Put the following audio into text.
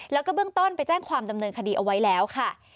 แล้วก็เบื้องต้นไปแจ้งความดำเนินคดีเอาไว้แล้วค่ะ